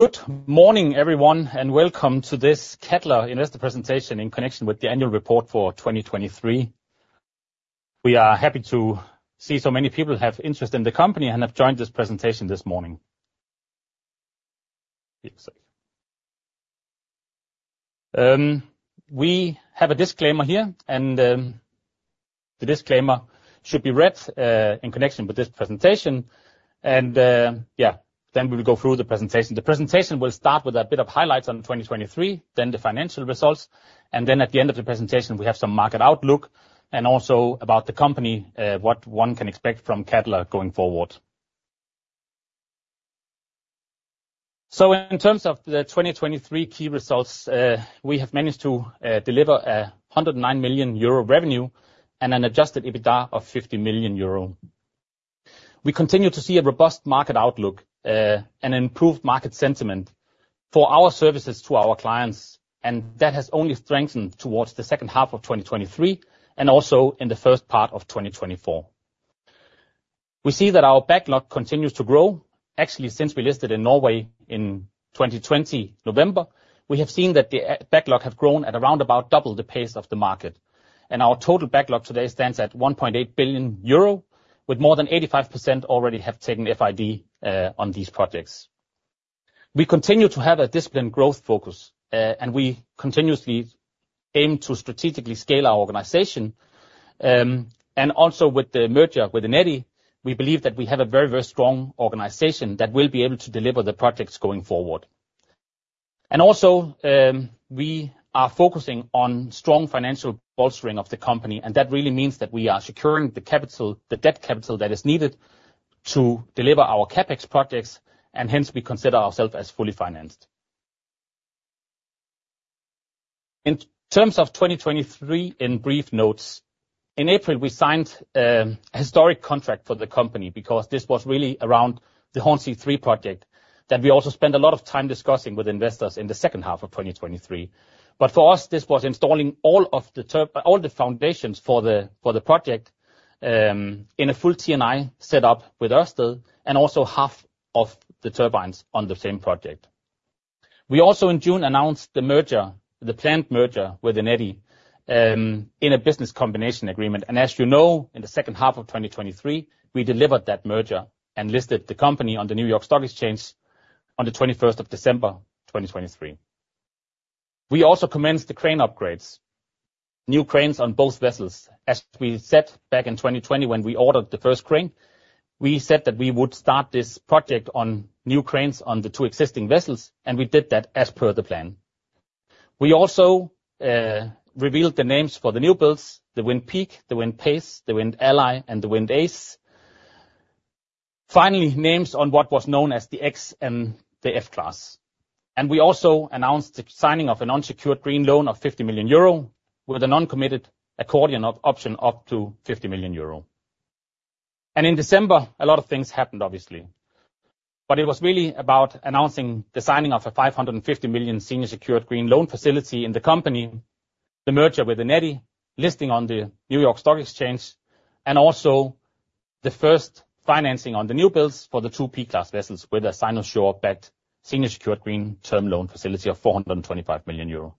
Good morning, everyone, and welcome to this Cadeler investor presentation in connection with the annual report for 2023. We are happy to see so many people have interest in the company and have joined this presentation this morning. We have a disclaimer here, and the disclaimer should be read in connection with this presentation. Then we will go through the presentation. The presentation will start with a bit of highlights on 2023, then the financial results, and then at the end of the presentation we have some market outlook and also about the company, what one can expect from Cadeler going forward. In terms of the 2023 key results, we have managed to deliver a 109 million euro revenue and an adjusted EBITDA of 50 million euro. We continue to see a robust market outlook and an improved market sentiment for our services to our clients, and that has only strengthened towards the second half of 2023 and also in the first part of 2024. We see that our backlog continues to grow. Actually, since we listed in Norway in 2020 November, we have seen that the backlog has grown at around about double the pace of the market, and our total backlog today stands at 1.8 billion euro, with more than 85% already have taken FID on these projects. We continue to have a disciplined growth focus, and we continuously aim to strategically scale our organization. Also, with the merger with Eneti, we believe that we have a very, very strong organization that will be able to deliver the projects going forward. Also, we are focusing on strong financial bolstering of the company, and that really means that we are securing the debt capital that is needed to deliver our CapEx projects, and hence we consider ourselves as fully financed. In terms of 2023, in brief notes, in April we signed a historic contract for the company because this was really around the Hornsea 3 project that we also spent a lot of time discussing with investors in the second half of 2023. But for us, this was installing all of the foundations for the project in a full T&I setup with Ørsted, and also half of the turbines on the same project. We also, in June, announced the planned merger with Eneti in a business combination agreement, and as you know, in the second half of 2023, we delivered that merger and listed the company on the New York Stock Exchange on the 21st of December 2023. We also commenced the crane upgrades, new cranes on both vessels. As we said back in 2020 when we ordered the first crane, we said that we would start this project on new cranes on the two existing vessels, and we did that as per the plan. We also revealed the names for the new builds: the Wind Peak, the Wind Pace, the Wind Ally, and the Wind Ace. Finally, names on what was known as the P and the A class. We also announced the signing of a non-secured green loan of 50 million euro with a non-committed accordion option up to 50 million euro. In December, a lot of things happened, obviously, but it was really about announcing the signing of a 550 million senior-secured green loan facility in the company, the merger with Eneti, listing on the New York Stock Exchange, and also the first financing on the new builds for the two P-class vessels with a Sinosure-backed senior-secured green term loan facility of 425 million euro.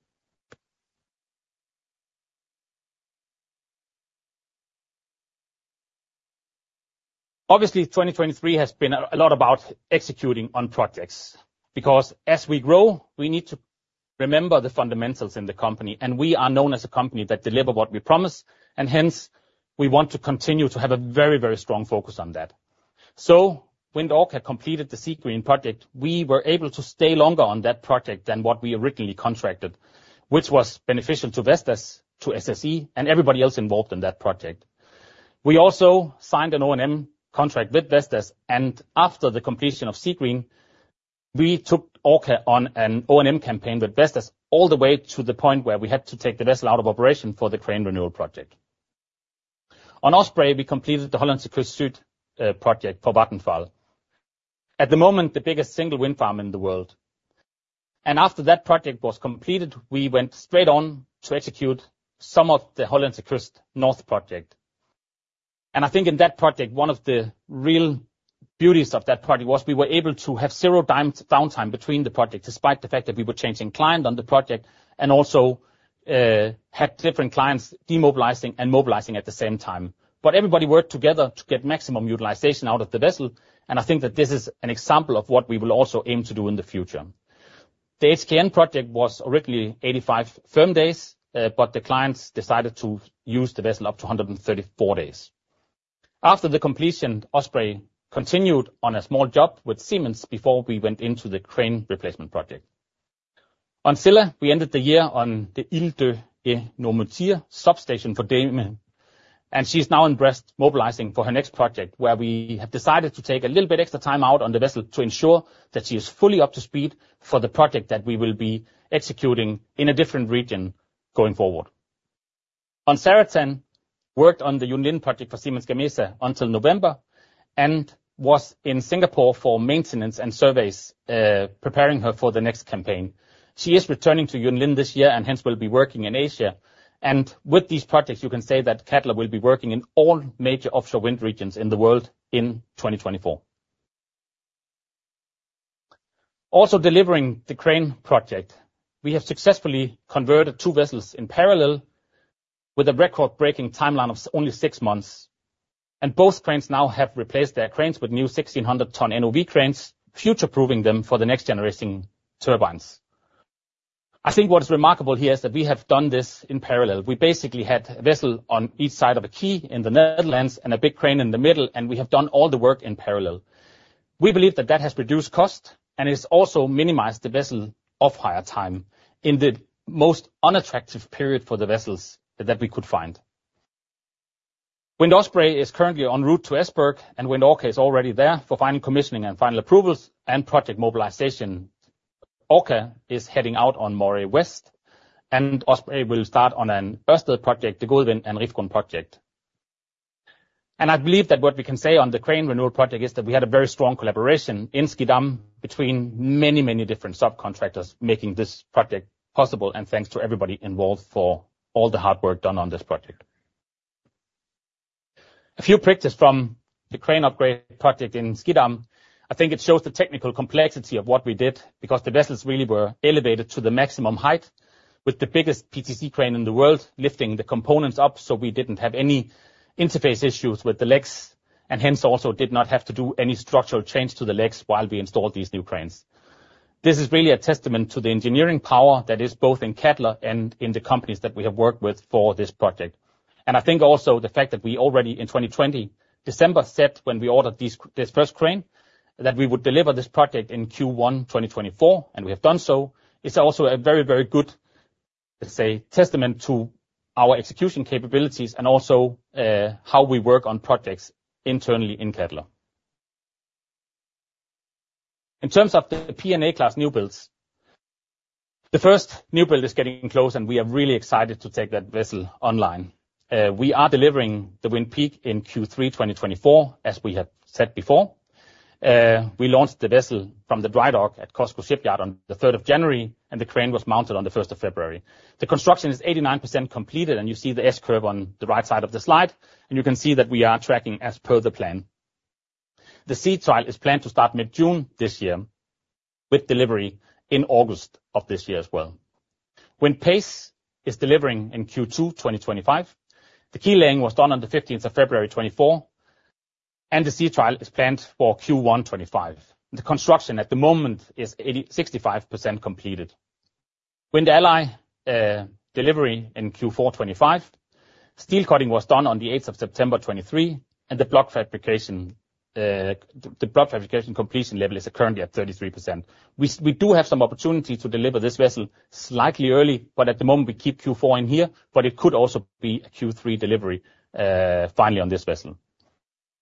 Obviously, 2023 has been a lot about executing on projects because, as we grow, we need to remember the fundamentals in the company, and we are known as a company that delivers what we promise, and hence we want to continue to have a very, very strong focus on that. When Orca completed the Seagreen project, we were able to stay longer on that project than what we originally contracted, which was beneficial to Vestas, to SSE, and everybody else involved in that project. We also signed an O&M contract with Vestas, and after the completion of Seagreen, we took Orca on an O&M campaign with Vestas all the way to the point where we had to take the vessel out of operation for the crane renewal project. On Osprey, we completed the Hollandse Kust Zuid project for Vattenfall, at the moment the biggest single wind farm in the world. After that project was completed, we went straight on to execute some of the Hollandse Kust Noord project. I think in that project, one of the real beauties of that project was we were able to have zero downtime between the projects, despite the fact that we were changing clients on the project and also had different clients demobilizing and mobilizing at the same time. But everybody worked together to get maximum utilization out of the vessel, and I think that this is an example of what we will also aim to do in the future. The HKN project was originally 85 firm days, but the clients decided to use the vessel up to 134 days. After the completion, Osprey continued on a small job with Siemens before we went into the crane replacement project. On Scylla, we ended the year on F`ecamp de Normandie substation for Damen, and she is now in Brest mobilizing for her next project, where we have decided to take a little bit extra time out on the vessel to ensure that she is fully up to speed for the project that we will be executing in a different region going forward. On Zaratan, worked on the Yunlin project for Siemens Gamesa until November and was in Singapore for maintenance and surveys, preparing her for the next campaign. She is returning to Yunlin this year and hence will be working in Asia. With these projects, you can say that Cadeler will be working in all major offshore wind regions in the world in 2024. Also, delivering the crane project, we have successfully converted two vessels in parallel with a record-breaking timeline of only six months, and both cranes now have replaced their cranes with new 1,600-ton NOV cranes, future-proving them for the next generation turbines. I think what is remarkable here is that we have done this in parallel. We basically had a vessel on each side of a quay in the Netherlands and a big crane in the middle, and we have done all the work in parallel. We believe that that has reduced cost and has also minimized the vessel off-hire time in the most unattractive period for the vessels that we could find. Wind Osprey is currently en route to Esbjerg, and Wind Orca is already there for final commissioning and final approvals and project mobilization. Orca is heading out on Moray West, and Osprey will start on an Ørsted project, the Gode Wind and Borkum Riffgrund project. I believe that what we can say on the crane renewal project is that we had a very strong collaboration in Schiedam between many, many different subcontractors making this project possible, and thanks to everybody involved for all the hard work done on this project. A few pictures from the crane upgrade project in Schiedam. I think it shows the technical complexity of what we did because the vessels really were elevated to the maximum height, with the biggest PTC crane in the world lifting the components up so we didn't have any interface issues with the legs, and hence also did not have to do any structural change to the legs while we installed these new cranes. This is really a testament to the engineering power that is both in Cadeler and in the companies that we have worked with for this project. I think also the fact that we already, in December 2020 set when we ordered this first crane, that we would deliver this project in Q1 2024, and we have done so, is also a very, very good testament to our execution capabilities and also how we work on projects internally in Cadeler. In terms of the P- and A-Class new builds, the first new build is getting close, and we are really excited to take that vessel online. We are delivering the Wind Peak in Q3 2024, as we have said before. We launched the vessel from the dry dock at COSCO Shipyard on the 3rd of January, and the crane was mounted on the 1st of February. The construction is 89% completed, and you see the S-curve on the right side of the slide, and you can see that we are tracking as per the plan. The sea trials are planned to start mid-June this year, with delivery in August of this year as well. Wind Pace is delivering in Q2 2025. The keel laying was done on the 15th of February 2024, and the sea trials are planned for Q1 2025. The construction at the moment is 65% completed. Wind Ally delivery in Q4 2025. Steel cutting was done on the 8th of September 2023, and the block fabrication completion level is currently at 33%. We do have some opportunity to deliver this vessel slightly early, but at the moment we keep Q4 in here, but it could also be a Q3 delivery finally on this vessel.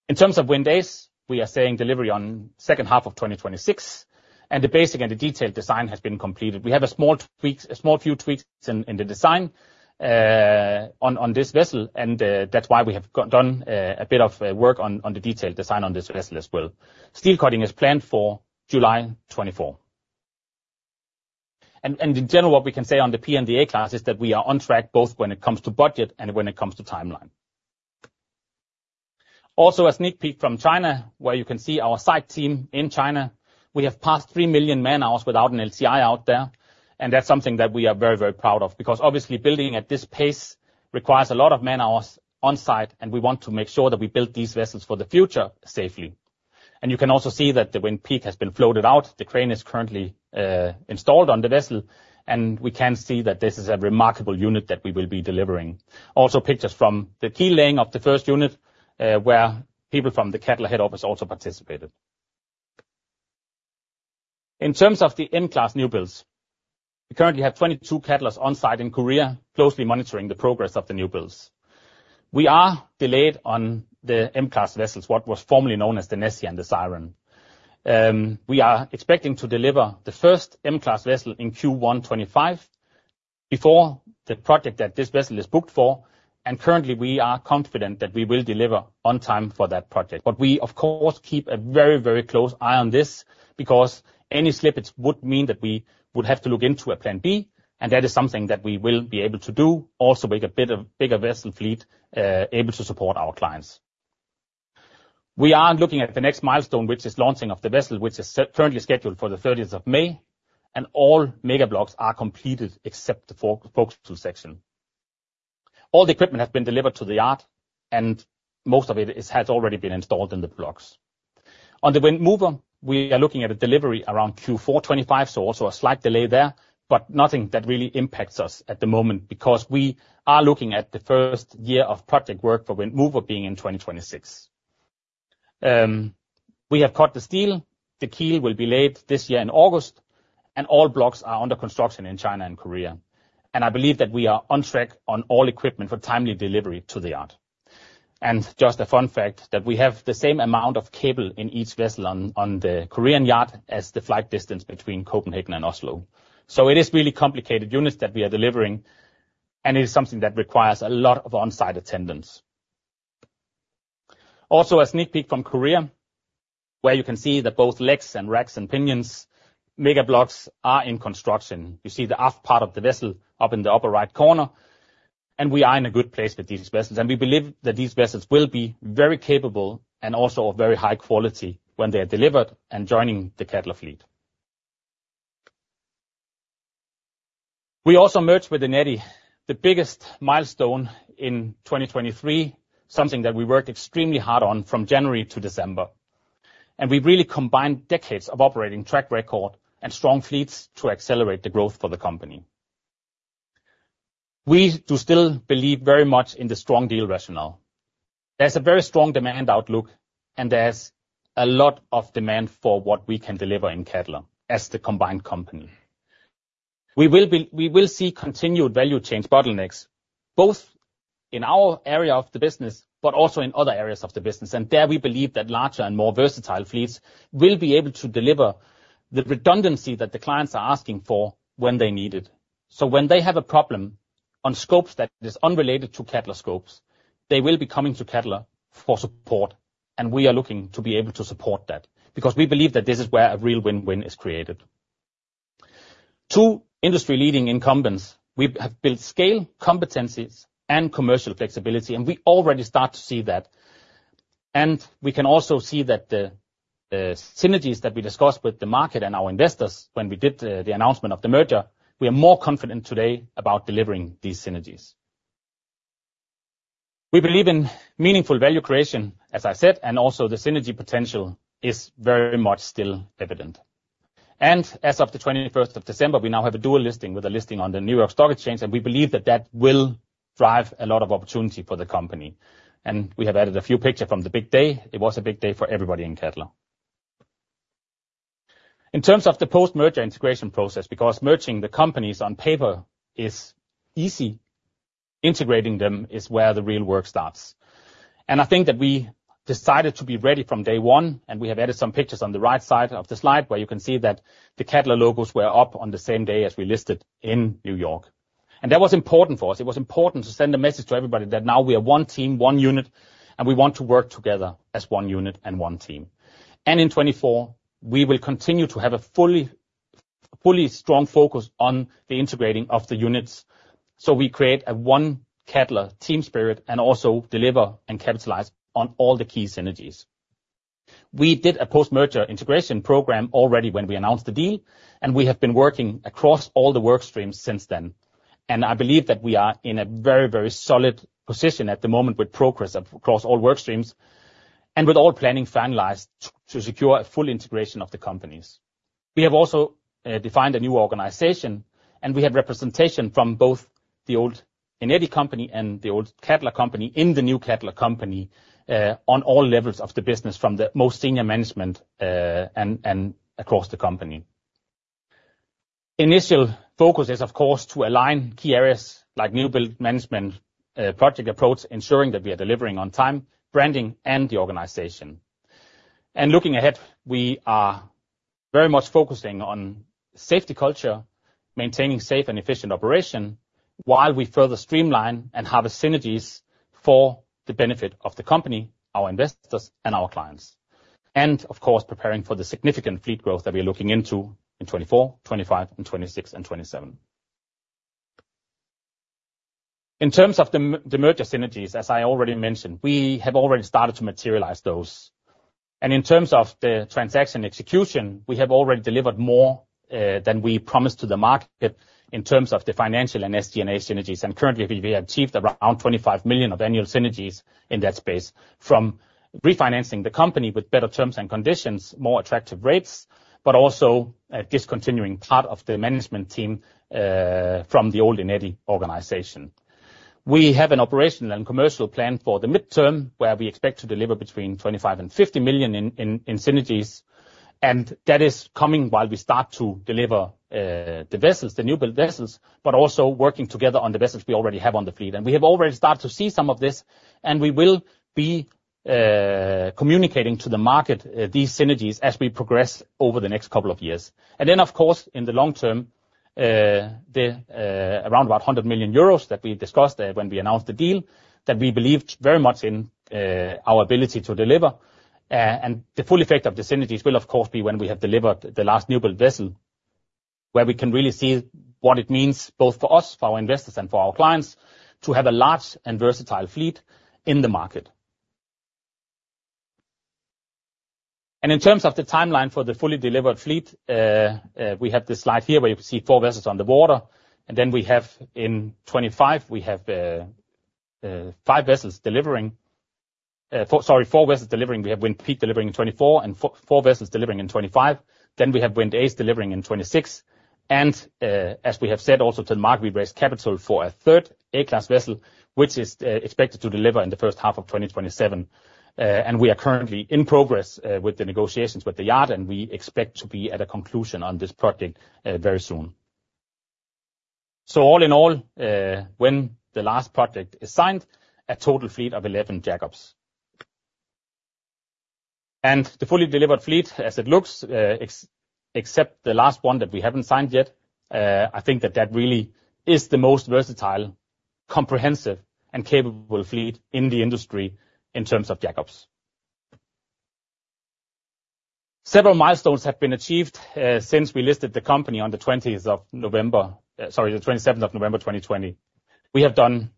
In terms of Wind Ace, we are saying delivery on the second half of 2026, and the basic and the detailed design has been completed. We have a small few tweaks in the design on this vessel, and that's why we have done a bit of work on the detailed design on this vessel as well. Steel cutting is planned for July 2024. In general, what we can say on the P&A class is that we are on track both when it comes to budget and when it comes to timeline. Also, a sneak peek from China, where you can see our site team in China. We have passed three million man-hours without an LTI out there, and that's something that we are very, very proud of because, obviously, building at this pace requires a lot of man-hours on site, and we want to make sure that we build these vessels for the future safely. You can also see that the Wind Peak has been floated out. The crane is currently installed on the vessel, and we can see that this is a remarkable unit that we will be delivering. Also, pictures from the keel laying of the first unit, where people from the Cadeler head office also participated. In terms of the M-class new builds, we currently have 22 Cadelers on site in Korea, closely monitoring the progress of the new builds. We are delayed on the M-class vessels, what was formerly known as the Nessie and the Siren. We are expecting to deliver the first M-class vessel in Q1 2025 before the project that this vessel is booked for, and currently we are confident that we will deliver on time for that project. But we, of course, keep a very, very close eye on this because any slippage would mean that we would have to look into a Plan B, and that is something that we will be able to do, also make a bigger vessel fleet able to support our clients. We are looking at the next milestone, which is launching of the vessel, which is currently scheduled for the 30th of May, and all megablocks are completed except the forecastle section. All the equipment has been delivered to the yard, and most of it has already been installed in the blocks. On the Wind Mover, we are looking at a delivery around Q4 2025, so also a slight delay there, but nothing that really impacts us at the moment because we are looking at the first year of project work for Wind Mover being in 2026. We have cut the steel. The keel will be laid this year in August, and all blocks are under construction in China and Korea. I believe that we are on track on all equipment for timely delivery to the yard. Just a fun fact that we have the same amount of cable in each vessel on the Korean yard as the flight distance between Copenhagen and Oslo. It is really complicated units that we are delivering, and it is something that requires a lot of on-site attendance. Also, a sneak peek from Korea, where you can see that both legs and racks and pinions, megablocks are in construction. You see the aft part of the vessel up in the upper right corner, and we are in a good place with these vessels. We believe that these vessels will be very capable and also of very high quality when they are delivered and joining the Cadeler fleet. We also merged with Eneti, the biggest milestone in 2023, something that we worked extremely hard on from January to December. We really combined decades of operating track record and strong fleets to accelerate the growth for the company. We do still believe very much in the strong deal rationale. There's a very strong demand outlook, and there's a lot of demand for what we can deliver in Cadeler as the combined company. We will see continued value change bottlenecks, both in our area of the business but also in other areas of the business, and there we believe that larger and more versatile fleets will be able to deliver the redundancy that the clients are asking for when they need it. When they have a problem on scopes that is unrelated to Cadeler scopes, they will be coming to Cadeler for support, and we are looking to be able to support that because we believe that this is where a real win-win is created. Two industry-leading incumbents, we have built scale competencies and commercial flexibility, and we already start to see that. We can also see that the synergies that we discussed with the market and our investors when we did the announcement of the merger, we are more confident today about delivering these synergies. We believe in meaningful value creation, as I said, and also the synergy potential is very much still evident. As of the 21st of December, we now have a dual listing with a listing on the New York Stock Exchange, and we believe that that will drive a lot of opportunity for the company. We have added a few pictures from the big day. It was a big day for everybody in Cadeler. In terms of the post-merger integration process, because merging the companies on paper is easy, integrating them is where the real work starts. I think that we decided to be ready from day one, and we have added some pictures on the right side of the slide where you can see that the Cadeler logos were up on the same day as we listed in New York. That was important for us. It was important to send a message to everybody that now we are one team, one unit, and we want to work together as one unit and one team. In 2024, we will continue to have a fully strong focus on the integrating of the units so we create a one Cadeler team spirit and also deliver and capitalize on all the key synergies. We did a post-merger integration program already when we announced the deal, and we have been working across all the workstreams since then. I believe that we are in a very, very solid position at the moment with progress across all workstreams and with all planning finalized to secure a full integration of the companies. We have also defined a new organization, and we have representation from both the old Eneti company and the old Cadeler company in the new Cadeler company on all levels of the business from the most senior management and across the company. Initial focus is, of course, to align key areas like new build management, project approach, ensuring that we are delivering on time, branding, and the organization. Looking ahead, we are very much focusing on safety culture, maintaining safe and efficient operation while we further streamline and harvest synergies for the benefit of the company, our investors, and our clients, and of course, preparing for the significant fleet growth that we are looking into in 2024, 2025, 2026, and 2027. In terms of the merger synergies, as I already mentioned, we have already started to materialize those. In terms of the transaction execution, we have already delivered more than we promised to the market in terms of the financial and SG&A synergies, and currently we have achieved around 25 million of annual synergies in that space from refinancing the company with better terms and conditions, more attractive rates, but also discontinuing part of the management team from the old Eneti organization. We have an operational and commercial plan for the mid-term where we expect to deliver between 25 million and 50 million in synergies, and that is coming while we start to deliver the new build vessels but also working together on the vessels we already have on the fleet. We have already started to see some of this, and we will be communicating to the market these synergies as we progress over the next couple of years. Then, of course, in the long term, around about 100 million euros that we discussed when we announced the deal that we believed very much in our ability to deliver. The full effect of the synergies will, of course, be when we have delivered the last new build vessel, where we can really see what it means both for us, for our investors, and for our clients to have a large and versatile fleet in the market. In terms of the timeline for the fully delivered fleet, we have this slide here where you can see four vessels on the water, and then in 2025, we have five vessels delivering. Sorry, four vessels delivering. We have Wind Peak delivering in 2024 and four vessels delivering in 2025. Then we have Wind Ace delivering in 2026. As we have said also to the market, we raised capital for a third A-class vessel, which is expected to deliver in the first half of 2027. We are currently in progress with the negotiations with the yard, and we expect to be at a conclusion on this project very soon. All in all, when the last project is signed, a total fleet of 11 jack-ups. The fully delivered fleet, as it looks, except the last one that we haven't signed yet, I think that that really is the most versatile, comprehensive, and capable fleet in the industry in terms of jack-ups. Several milestones have been achieved since we listed the company on the 27th of November 2020. We have done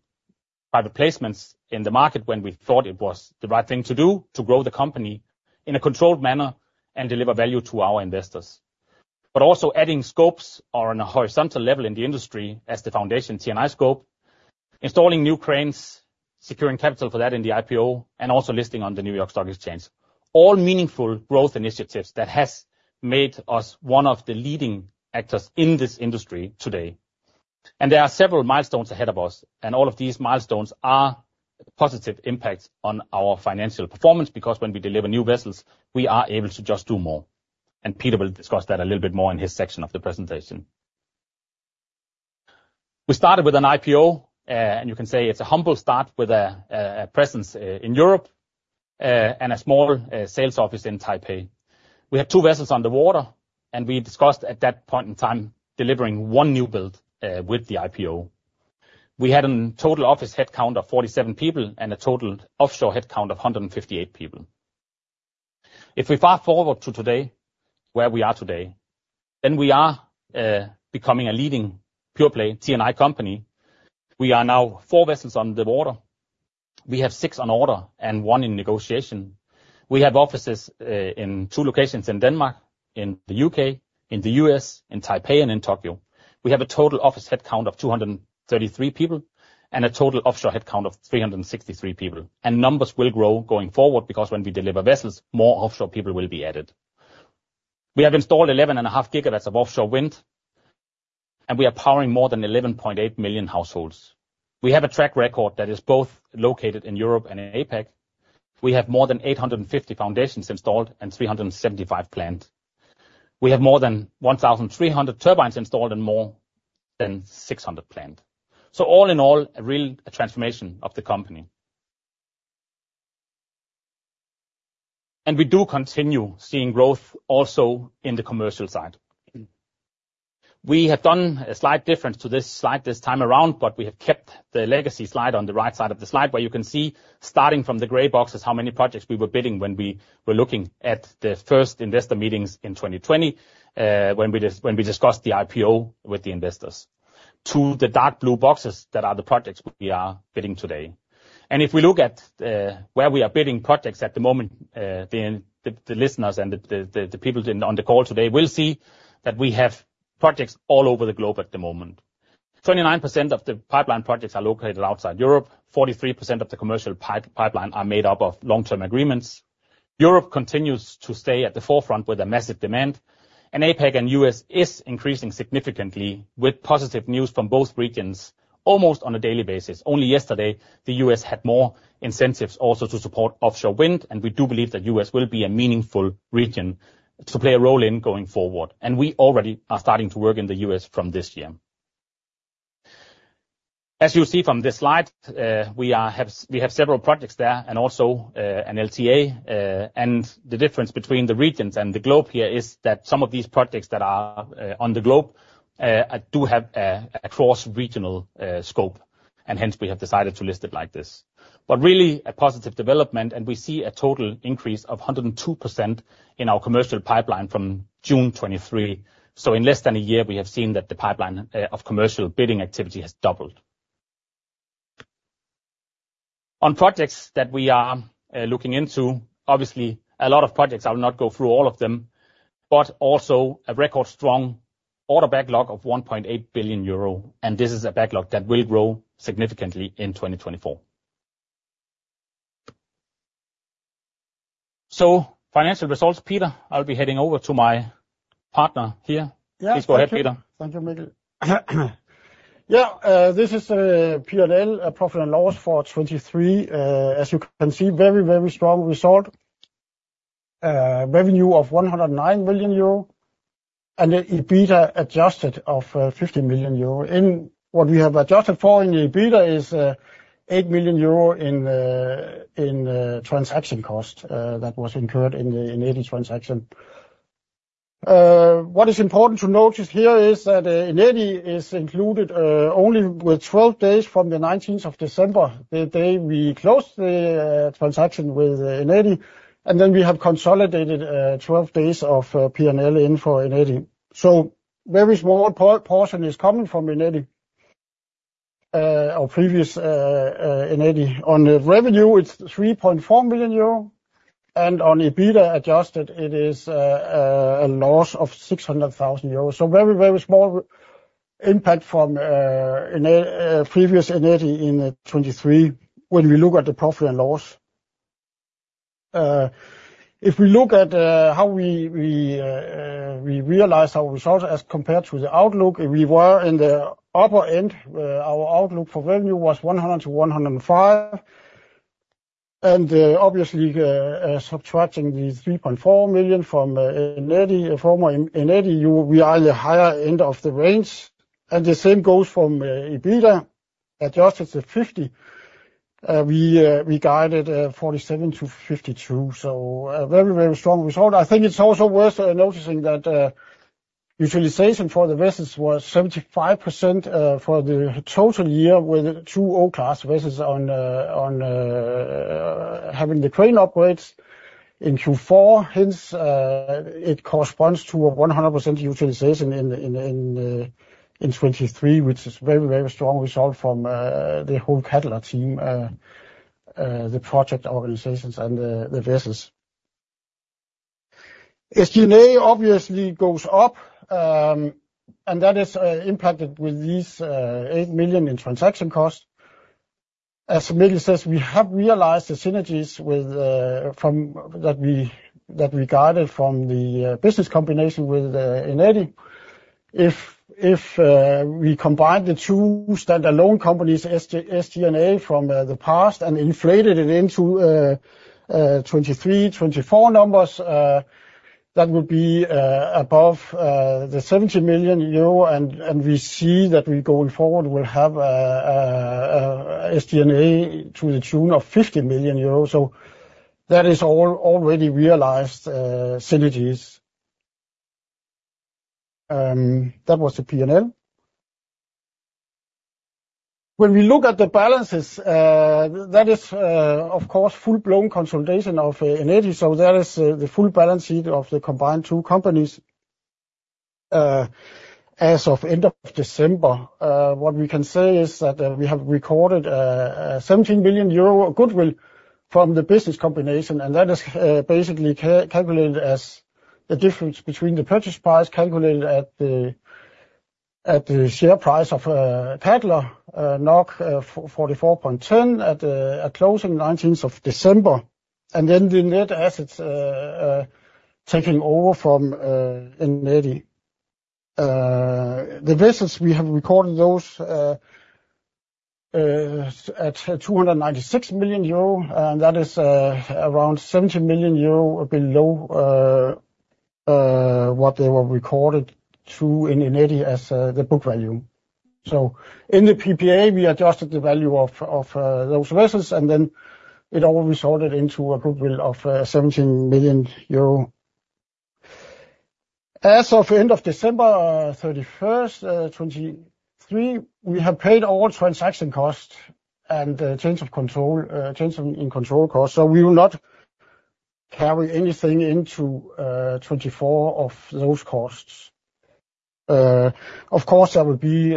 private placements in the market when we thought it was the right thing to do to grow the company in a controlled manner and deliver value to our investors, but also adding scopes on a horizontal level in the industry as the foundation T&I scope, installing new cranes, securing capital for that in the IPO, and also listing on the New York Stock Exchange. All meaningful growth initiatives that have made us one of the leading actors in this industry today. There are several milestones ahead of us, and all of these milestones are positive impacts on our financial performance because when we deliver new vessels, we are able to just do more. Peter will discuss that a little bit more in his section of the presentation. We started with an IPO, and you can say it's a humble start with a presence in Europe and a small sales office in Taipei. We had 2 vessels on the water, and we discussed at that point in time delivering 1 new build with the IPO. We had a total office headcount of 47 people and a total offshore headcount of 158 people. If we fast forward to today, where we are today, then we are becoming a leading pure-play T&I company. We are now 4 vessels on the water. We have 6 on order and 1 in negotiation. We have offices in two locations in Denmark, in the U.K., in the U.S., in Taipei, and in Tokyo. We have a total office headcount of 233 people and a total offshore headcount of 363 people. Numbers will grow going forward because when we deliver vessels, more offshore people will be added. We have installed 11.5 gigawatts of offshore wind, and we are powering more than 11.8 million households. We have a track record that is both located in Europe and in APEC. We have more than 850 foundations installed and 375 planned. We have more than 1,300 turbines installed and more than 600 planned. All in all, a real transformation of the company. We do continue seeing growth also in the commercial side. We have done a slight difference to this slide this time around, but we have kept the legacy slide on the right side of the slide where you can see, starting from the gray boxes, how many projects we were bidding when we were looking at the first investor meetings in 2020 when we discussed the IPO with the investors, to the dark blue boxes that are the projects we are bidding today. If we look at where we are bidding projects at the moment, the listeners and the people on the call today will see that we have projects all over the globe at the moment. 29% of the pipeline projects are located outside Europe. 43% of the commercial pipeline are made up of long-term agreements. Europe continues to stay at the forefront with a massive demand, and APEC and US are increasing significantly with positive news from both regions almost on a daily basis. Only yesterday, the U.S. had more incentives also to support offshore wind, and we do believe that the U.S. will be a meaningful region to play a role in going forward. We already are starting to work in the U.S. from this year. As you see from this slide, we have several projects there and also an LTA. The difference between the regions and the globe here is that some of these projects that are on the globe do have a cross-regional scope, and hence we have decided to list it like this. Really, a positive development, and we see a total increase of 102% in our commercial pipeline from June 2023. In less than a year, we have seen that the pipeline of commercial bidding activity has doubled. On projects that we are looking into, obviously, a lot of projects, I will not go through all of them, but also a record strong order backlog of 1.8 billion euro, and this is a backlog that will grow significantly in 2024. Financial results, Peter. I'll be heading over to my partner here. Please go ahead, Peter. Thank you, Mikkel. This is P&L, profit and loss for 2023. As you can see, very, very strong result. Revenue of 109 million euro and EBITDA adjusted of 50 million euro. What we have adjusted for in the EBITDA is 8 million euro in transaction cost that was incurred in the Eneti transaction. What is important to notice here is that Eneti is included only with 12 days from the 19th of December, the day we closed the transaction with Eneti, and then we have consolidated 12 days of P&L in for Eneti. A very small portion is coming from Eneti, our previous Eneti. On revenue, it's 3.4 million euro, and on EBITDA adjusted, it is a loss of 600,000 euros. Very, very small impact from previous Eneti in 2023 when we look at the profit and loss. If we look at how we realized our results as compared to the outlook, we were in the upper end. Our outlook for revenue was 100-105, and obviously, subtracting the 3.4 million from Eneti, former Eneti, we are on the higher end of the range. The same goes for EBITDA adjusted to 50. We guided 47-52, so a very, very strong result. I think it's also worth noticing that utilization for the vessels was 75% for the total year with two O-class vessels having the crane upgrades in Q4. Hence, it corresponds to a 100% utilization in 2023, which is a very, very strong result from the whole Cadeler team, the project organizations, and the vessels. SG&A obviously goes up, and that is impacted with these 8 million in transaction cost. As Mikkel says, we have realized the synergies that we guided from the business combination with Eneti. If we combined the two standalone companies, SG&A, from the past and inflated it into 2023, 2024 numbers, that would be above the 70 million euro, and we see that we going forward will have SG&A to the tune of 50 million euros. That is all already realized synergies. That was the P&L. When we look at the balances, that is, of course, full-blown consolidation of Eneti, so that is the full balance sheet of the combined two companies as of the end of December. What we can say is that we have recorded 17 million euro goodwill from the business combination, and that is basically calculated as the difference between the purchase price calculated at the share price of Cadeler 44.10 at closing the 19th of December, and then the net assets taking over from Eneti. The vessels, we have recorded those at 296 million euro, and that is around 70 million euro below what they were recorded to in Eneti as the book value. In the PPA, we adjusted the value of those vessels, and then it all resulted into a goodwill of 17 million euro. As of the end of December 31st, 2023, we have paid all transaction costs and change in control costs, so we will not carry anything into 2024 of those costs. Of course, there will be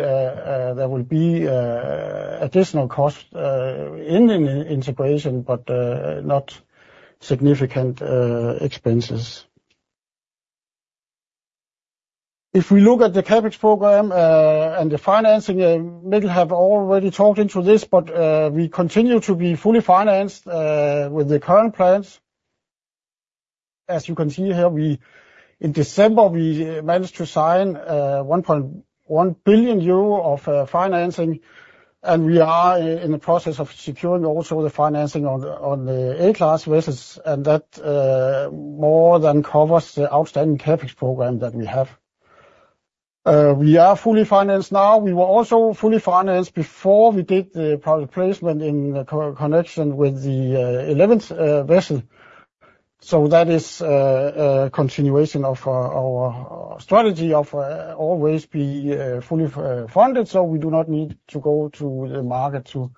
additional costs in the integration, but not significant expenses. If we look at the CapEx program and the financing, Mikkel have already talked into this, but we continue to be fully financed with the current plans. As you can see here, in December, we managed to sign 1.1 billion euro of financing, and we are in the process of securing also the financing on the A-class vessels, and that more than covers the outstanding CapEx program that we have. We are fully financed now. We were also fully financed before we did the private placement in connection with the 11th vessel. That is a continuation of our strategy of always being fully funded, so we do not need to go to the market to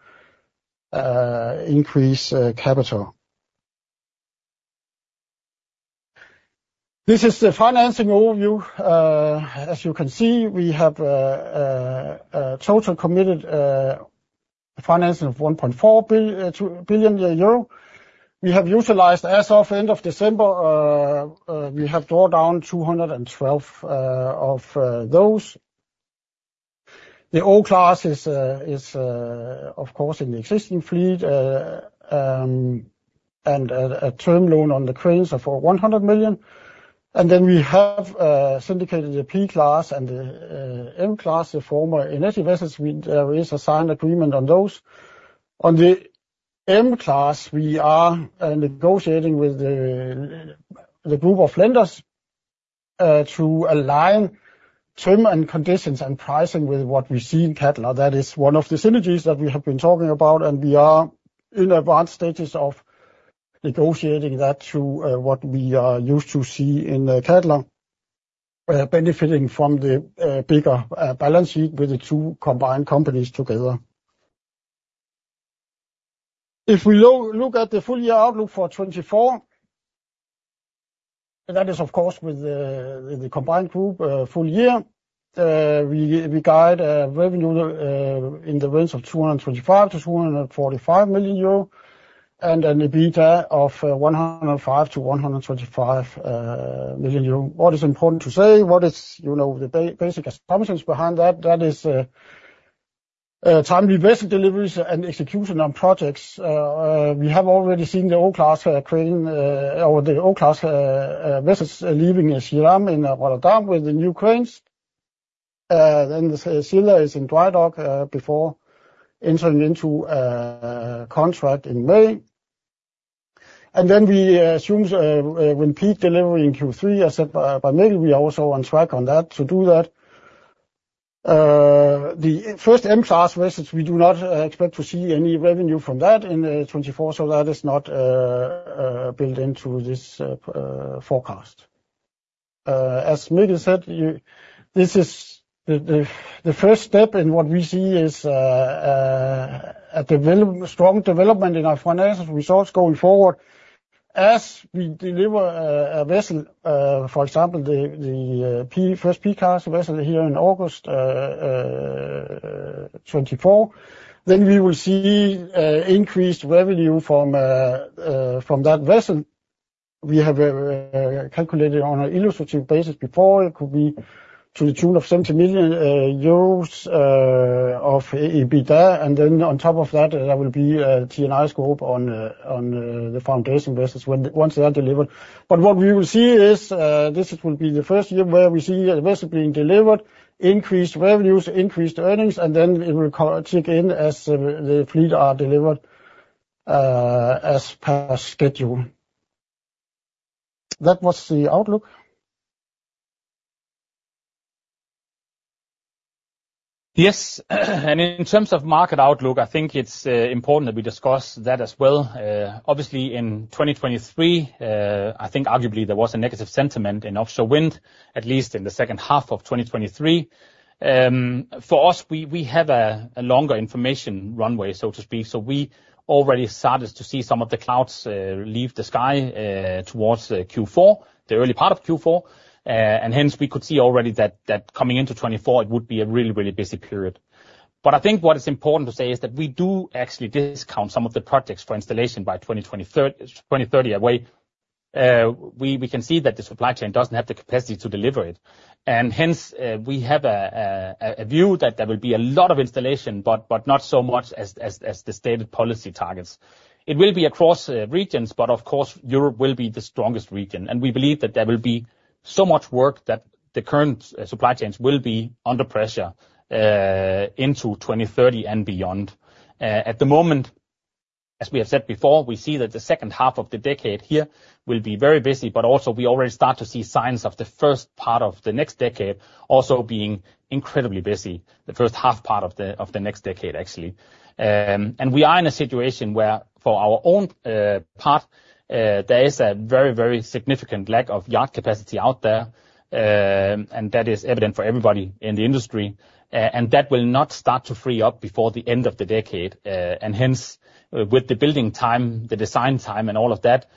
increase capital. This is the financing overview. As you can see, we have total committed financing of 1.4 billion euro. We have utilized as of the end of December. We have drawn down 212 of those. The O-class is, of course, in the existing fleet and a term loan on the cranes of 100 million. Then we have syndicated the P-class and the M-class, the former Eneti vessels. There is a signed agreement on those. On the M-class, we are negotiating with the group of lenders to align terms and conditions and pricing with what we see in Cadeler. That is one of the synergies that we have been talking about, and we are in advanced stages of negotiating that to what we are used to see in Cadeler, benefiting from the bigger balance sheet with the two combined companies together. If we look at the full year outlook for 2024, that is, of course, with the combined group, full year, we guide revenue in the range of 225 million-245 million euro and an EBITDA of 105 million-125 million euro. What is important to say? What is the basic assumptions behind that? That is timely vessel deliveries and execution on projects. We have already seen the O-class vessels leaving Scylla in Rotterdam with the new cranes. Then the Scylla is in dry dock before entering into contract in May. Then we assume when Peak delivery in Q3, as said by Mikkel, we are also on track on that to do that. The first M-class vessels, we do not expect to see any revenue from that in 2024, so that is not built into this forecast. As Mikkel said, this is the first step in what we see is a strong development in our financial results going forward. As we deliver a vessel, for example, the first P-class vessel here in August 2024, then we will see increased revenue from that vessel. We have calculated on an illustrative basis before, it could be to the tune of 70 million euros of EBITDA, and then on top of that, there will be a T&I scope on the foundation vessels once they are delivered. What we will see is this will be the first year where we see a vessel being delivered, increased revenues, increased earnings, and then it will tick in as the fleet are delivered as per schedule. That was the outlook. Yes. In terms of market outlook, I think it's important that we discuss that as well. Obviously, in 2023, I think arguably there was a negative sentiment in offshore wind, at least in the second half of 2023. For us, we have a longer information runway, so to speak. We already started to see some of the clouds leave the sky towards Q4, the early part of Q4, and hence, we could see already that coming into 2024, it would be a really, really busy period. I think what is important to say is that we do actually discount some of the projects for installation by 2030 away. We can see that the supply chain doesn't have the capacity to deliver it, and hence, we have a view that there will be a lot of installation, but not so much as the stated policy targets. It will be across regions, but of course, Europe will be the strongest region, and we believe that there will be so much work that the current supply chains will be under pressure into 2030 and beyond. At the moment, as we have said before, we see that the second half of the decade here will be very busy, but also, we already start to see signs of the first part of the next decade also being incredibly busy, the first half part of the next decade, actually. We are in a situation where for our own part, there is a very, very significant lack of yard capacity out there, and that is evident for everybody in the industry, and that will not start to free up before the end of the decade. Hence, with the building time, the design time, and all of that,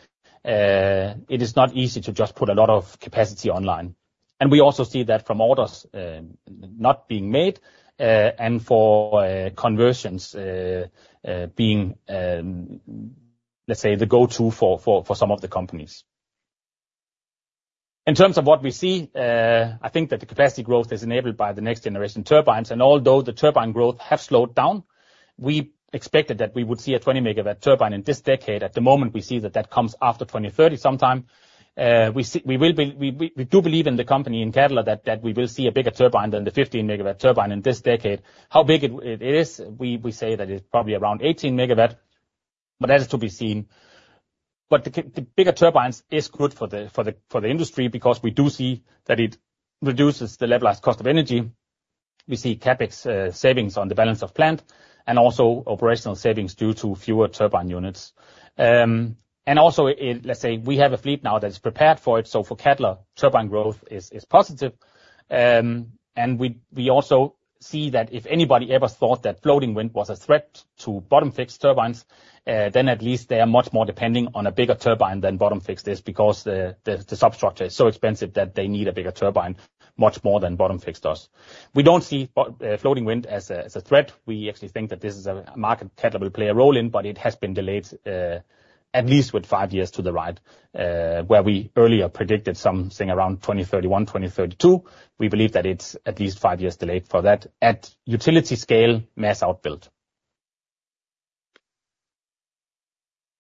it is not easy to just put a lot of capacity online. We also see that from orders not being made and for conversions being, let's say, the go-to for some of the companies. In terms of what we see, I think that the capacity growth is enabled by the next generation turbines, and although the turbine growth has slowed down, we expected that we would see a 20-megawatt turbine in this decade. At the moment, we see that that comes after 2030 sometime. We do believe in the company in Cadeler that we will see a bigger turbine than the 15-megawatt turbine in this decade. How big it is, we say that it's probably around 18 megawatts, but that is to be seen. The bigger turbines are good for the industry because we do see that it reduces the levelized cost of energy. We see CapEx savings on the balance of plant and also operational savings due to fewer turbine units. Also, let's say we have a fleet now that is prepared for it, so for Cadeler, turbine growth is positive. We also see that if anybody ever thought that floating wind was a threat to bottom-fixed turbines, then at least they are much more depending on a bigger turbine than bottom-fixed is because the substructure is so expensive that they need a bigger turbine much more than bottom-fixed does. We don't see floating wind as a threat. We actually think that this is a market Cadeler will play a role in, but it has been delayed at least with 5 years to the right, where we earlier predicted something around 2031, 2032. We believe that it's at least five years delayed for that at utility scale mass outbuilt.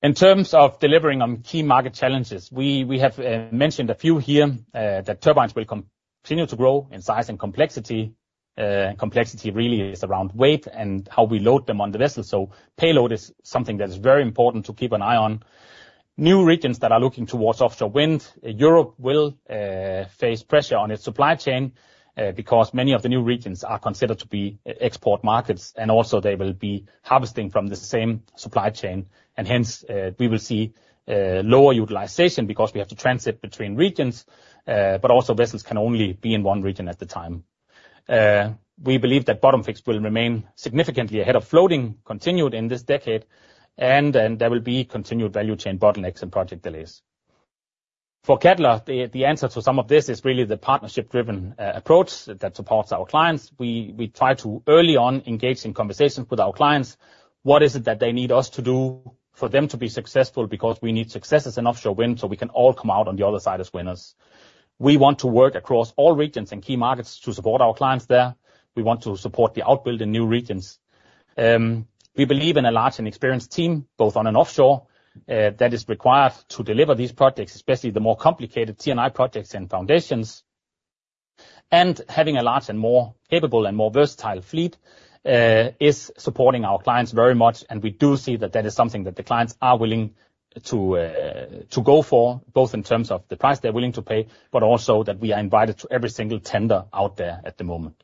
In terms of delivering on key market challenges, we have mentioned a few here that turbines will continue to grow in size and complexity. Complexity really is around weight and how we load them on the vessel, so payload is something that is very important to keep an eye on. New regions that are looking towards offshore wind, Europe will face pressure on its supply chain because many of the new regions are considered to be export markets, and also, they will be harvesting from the same supply chain. Hence, we will see lower utilization because we have to transit between regions, but also, vessels can only be in one region at the time. We believe that bottom-fixed will remain significantly ahead of floating continued in this decade, and there will be continued value chain bottlenecks and project delays. For Cadeler, the answer to some of this is really the partnership-driven approach that supports our clients. We try to early on engage in conversations with our clients. What is it that they need us to do for them to be successful? Because we need successes in offshore wind so we can all come out on the other side as winners. We want to work across all regions and key markets to support our clients there. We want to support the outbuild in new regions. We believe in a large and experienced team, both on and offshore, that is required to deliver these projects, especially the more complicated T&I projects and foundations. Having a large and more capable and more versatile fleet is supporting our clients very much, and we do see that that is something that the clients are willing to go for, both in terms of the price they're willing to pay, but also that we are invited to every single tender out there at the moment.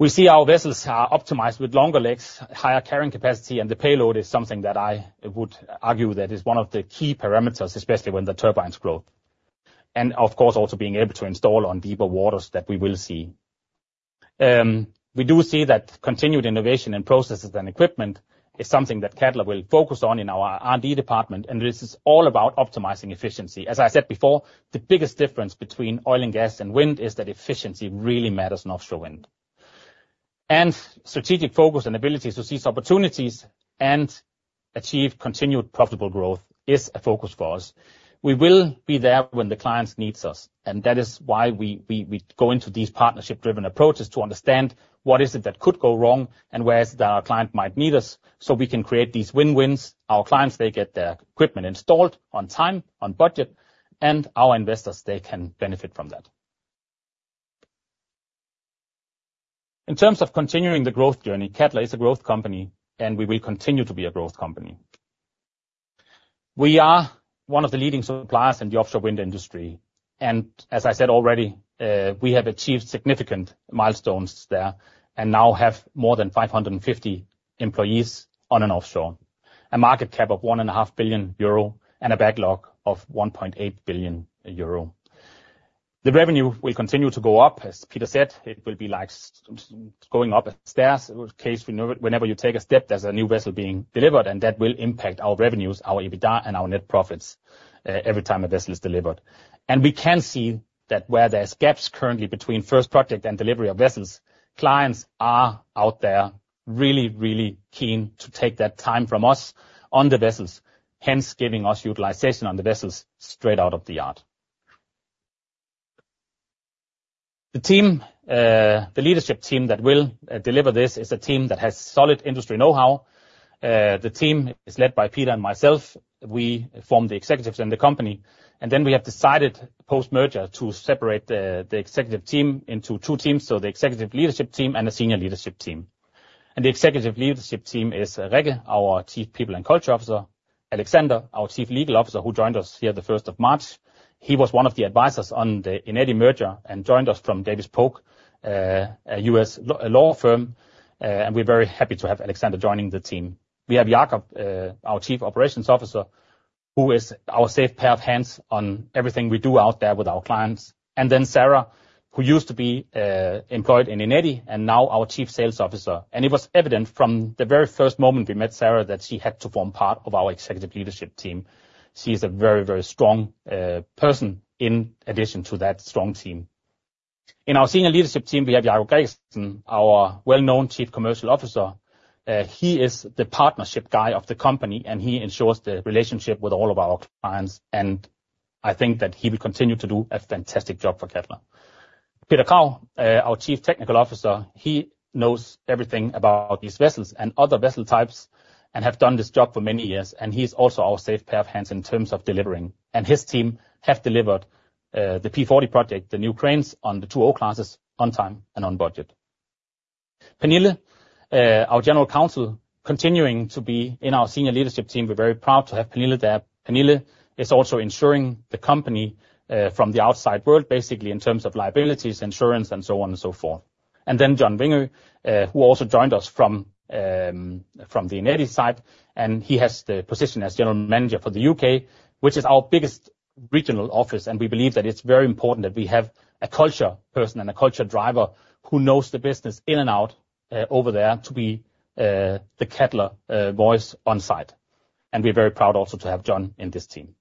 We see our vessels are optimized with longer legs, higher carrying capacity, and the payload is something that I would argue that is one of the key parameters, especially when the turbines grow. Of course, also being able to install on deeper waters that we will see. We do see that continued innovation in processes and equipment is something that Cadeler will focus on in our R&D department, and this is all about optimizing efficiency. As I said before, the biggest difference between oil and gas and wind is that efficiency really matters in offshore wind. Strategic focus and abilities to seize opportunities and achieve continued profitable growth is a focus for us. We will be there when the clients need us, and that is why we go into these partnership-driven approaches to understand what is it that could go wrong and where is it that our client might need us so we can create these win-wins. Our clients, they get their equipment installed on time, on budget, and our investors, they can benefit from that. In terms of continuing the growth journey, Cadeler is a growth company, and we will continue to be a growth company. We are one of the leading suppliers in the offshore wind industry, and as I said already, we have achieved significant milestones there and now have more than 550 employees on and offshore, a market cap of 1.5 billion euro and a backlog of 1.8 billion euro. The revenue will continue to go up. As Peter said, it will be like going up a staircase. Whenever you take a step, there's a new vessel being delivered, and that will impact our revenues, our EBITDA, and our net profits every time a vessel is delivered. We can see that where there are gaps currently between first project and delivery of vessels, clients are out there really, really keen to take that time from us on the vessels, hence giving us utilization on the vessels straight out of the yard. The leadership team that will deliver this is a team that has solid industry know-how. The team is led by Peter and myself. We form the executives in the company, and then we have decided post-merger to separate the executive team into two teams, so the executive leadership team and a senior leadership team. The executive leadership team is Rikke, our Chief People and Culture Officer, and Alexander, our Chief Legal Officer, who joined us here the 1st of March. He was one of the advisors on the Eneti merger and joined us from Davis Polk, a US law firm, and we're very happy to have Alexander joining the team. We have Jacob, our Chief Operations Officer, who is our safe pair of hands on everything we do out there with our clients. Then Sarah, who used to be employed in Eneti and now our Chief Sales Officer. It was evident from the very first moment we met Sarah that she had to form part of our executive leadership team. She is a very, very strong person in addition to that strong team. In our senior leadership team, we have Jacob Gregersen, our well-known Chief Commercial Officer. He is the partnership guy of the company, and he ensures the relationship with all of our clients, and I think that he will continue to do a fantastic job for Cadeler. Peter Kragh, our Chief Technical Officer, he knows everything about these vessels and other vessel types and has done this job for many years, and he's also our safe pair of hands in terms of delivering. His team has delivered the P40 project, the new cranes on the two O-classes, on time and on budget. Pernille, our General Counsel, continuing to be in our senior leadership team. We're very proud to have Pernille there. Pernille is also ensuring the company from the outside world, basically in terms of liabilities, insurance, and so on and so forth. Then John Weigner, who also joined us from the Eneti side, he has the position as General Manager for the U.K., which is our biggest regional office, and we believe that it's very important that we have a culture person and a culture driver who knows the business in and out over there to be the Cadeler voice on site. We're very proud also to have John in this team.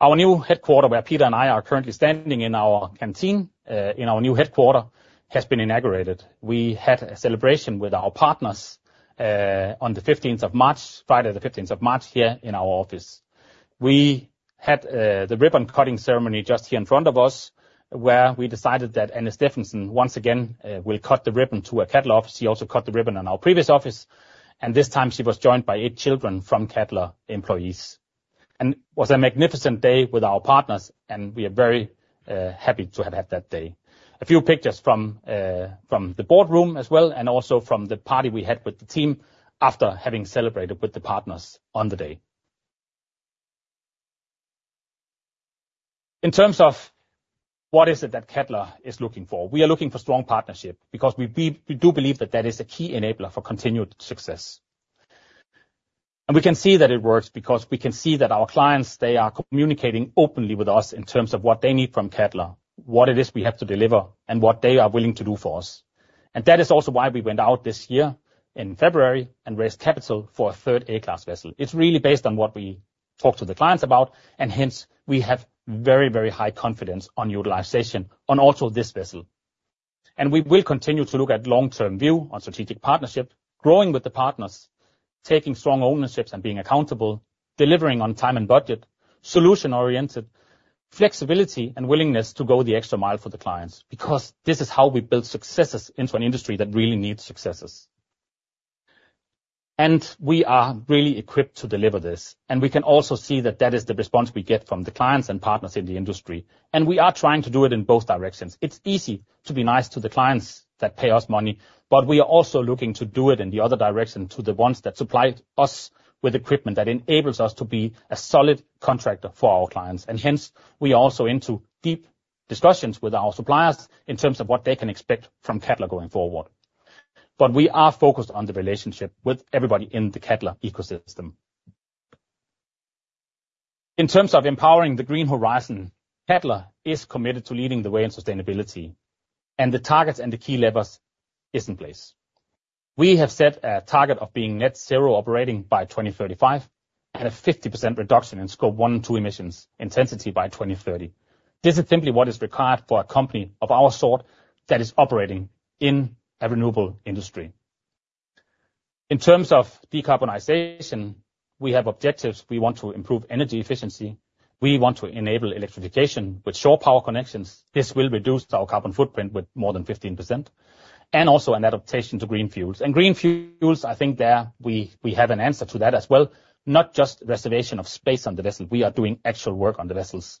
Our new headquarters, where Peter and I are currently standing in our canteen, in our new headquarters, has been inaugurated. We had a celebration with our partners on the 15th of March, Friday the 15th of March here in our office. We had the ribbon-cutting ceremony just here in front of us where we decided that Annette Steffensen, once again, will cut the ribbon to a Cadeler office. She also cut the ribbon in our previous office, and this time, she was joined by eight children from Cadeler employees. It was a magnificent day with our partners, and we are very happy to have had that day. A few pictures from the boardroom as well and also from the party we had with the team after having celebrated with the partners on the day. In terms of what is it that Cadeler is looking for, we are looking for strong partnership because we do believe that that is a key enabler for continued success. We can see that it works because we can see that our clients, they are communicating openly with us in terms of what they need from Cadeler, what it is we have to deliver, and what they are willing to do for us. That is also why we went out this year in February and raised capital for a third A-class vessel. It's really based on what we talk to the clients about, and hence, we have very, very high confidence on utilization on also this vessel. We will continue to look at long-term view on strategic partnership, growing with the partners, taking strong ownerships and being accountable, delivering on time and budget, solution-oriented, flexibility, and willingness to go the extra mile for the clients because this is how we build successes into an industry that really needs successes. We are really equipped to deliver this, and we can also see that that is the response we get from the clients and partners in the industry, and we are trying to do it in both directions. It's easy to be nice to the clients that pay us money, but we are also looking to do it in the other direction to the ones that supply us with equipment that enables us to be a solid contractor for our clients. Hence, we are also into deep discussions with our suppliers in terms of what they can expect from Cadeler going forward, but we are focused on the relationship with everybody in the Cadeler ecosystem. In terms of empowering the Green Horizon, Cadeler is committed to leading the way in sustainability, and the targets and the key levers are in place. We have set a target of being net zero operating by 2035 and a 50% reduction in Scope one and two emissions intensity by 2030. This is simply what is required for a company of our sort that is operating in a renewable industry. In terms of decarbonization, we have objectives. We want to improve energy efficiency. We want to enable electrification with shore power connections. This will reduce our carbon footprint with more than 15% and also an adaptation to green fuels. Green fuels, I think there we have an answer to that as well, not just reservation of space on the vessel. We are doing actual work on the vessels